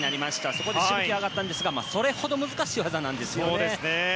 そこでしぶきが上がったんですがそれほど難しい技なんですよね。